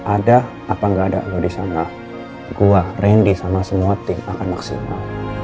ada apa nggak ada loh di sana gua randy sama semua tim akan maksimal